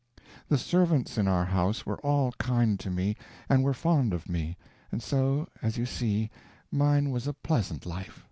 The servants in our house were all kind to me and were fond of me, and so, as you see, mine was a pleasant life.